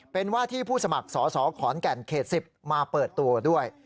เป็นว่าที่ผู้สมัครสอสอขอนแก่นเขต๑๐มาเปิดตัวด้วย